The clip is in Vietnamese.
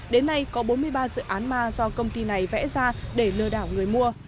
đến nay có bốn mươi ba dự án ma do công ty này vẽ ra để lừa đảo người mua